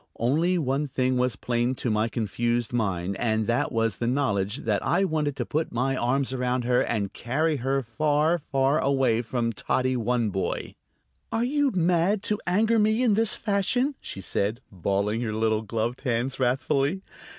Only one thing was plain to my confused mind, and that was the knowledge that I wanted to put my arms around her and carry her far, far away from Toddy One Boy. "Are you mad, to anger me in this fashion?" she said, balling her little gloved hands wrathfully.